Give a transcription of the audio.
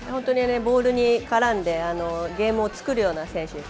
ボールに絡んでゲームを作るような選手です。